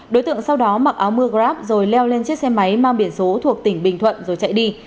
đối tượng sau đó mặc áo mưa grab rồi leo lên chiếc xe máy mang biển số thuộc tỉnh bình thuận rồi chạy đi